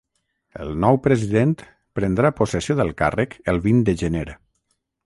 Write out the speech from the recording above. El nou president prendrà possessió del càrrec el vint de gener.